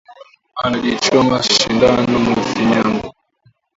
Ana ji choma shindano mu finyango